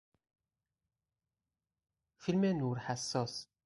فیلم نور حساس